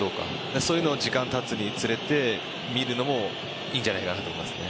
そういうのは時間がたつにつれて見るのもいいんじゃないかと思います。